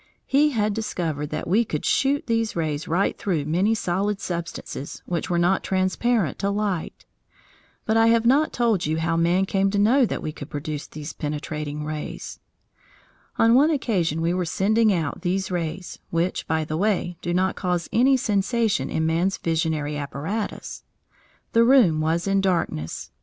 He had discovered that we could shoot these rays right through many solid substances which were not transparent to light. But I have not told you how man came to know that we could produce these penetrating rays. On one occasion we were sending out these rays, which, by the way, do not cause any sensation in man's visionary apparatus. The room was in darkness.